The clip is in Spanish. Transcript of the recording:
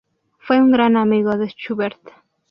Fue un gran amigo de Schubert.